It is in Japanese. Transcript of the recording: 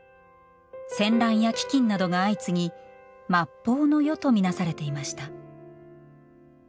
戦乱や飢きんなどが相次ぎ「末法の世」と見なされていました。